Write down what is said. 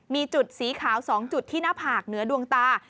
มีจุดสีขาว๒จุดที่หน้าผากเหนือดวงตา